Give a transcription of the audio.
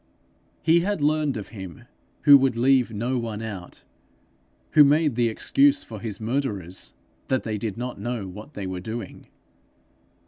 He had learned of him who would leave no one out; who made the excuse for his murderers that they did not know what they were doing.